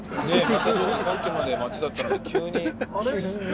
またちょっとさっきまで街だったのに急に何もない。